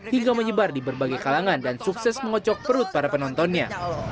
hingga menyebar di berbagai kalangan dan sukses mengocok perut para penontonnya